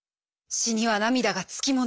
「詩には涙がつきもの」。